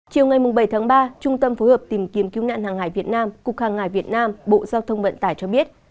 chiều ngày bảy tháng ba trung tâm phối hợp tìm kiếm cứu nạn hàng hải việt nam cục hàng hải việt nam bộ giao thông vận tải cho biết